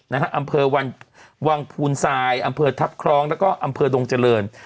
อำเภอวันวังภูนทรายอำเภอทัพคล้องแล้วก็อำเภอดงเจริญ